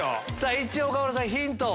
一応岡村さんヒントを。